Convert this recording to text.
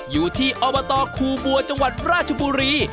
อยู่ที่อบตคูบัวจังหวัดราชบุรี